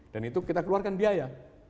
dan itu kita keluarkan biaya